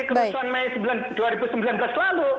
kerusuhan mei dua ribu sembilan belas lalu